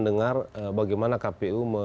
dengar bagaimana kpu